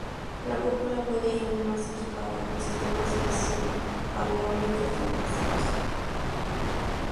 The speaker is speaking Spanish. La cúpula puede ir aún más equipada con sistemas de visión panorámica estabilizados.